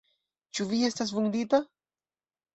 Ĉu Vi estas vundita?